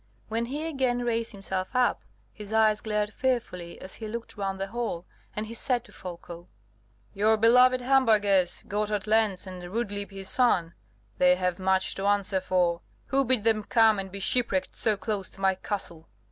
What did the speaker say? When he again raised himself up, his eyes glared fearfully as he looked round the hall, and he said to Folko: "Your beloved Hamburghers, Gotthard Lenz, and Rudlieb his son, they have much to answer for! Who bid them come and be shipwrecked so close to my castle?"